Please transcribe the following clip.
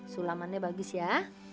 sulamannya bagus ya